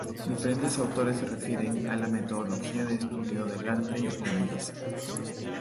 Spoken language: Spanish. Diferentes autores se refieren a la metodología de estudio del arte y la belleza.